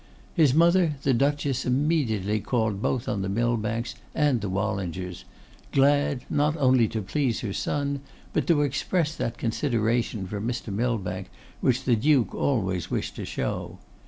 His mother, the Duchess, immediately called both on the Millbanks and the Wallingers; glad, not only to please her son, but to express that consideration for Mr. Millbank which the Duke always wished to show.